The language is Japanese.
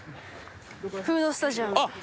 フードスタジアム。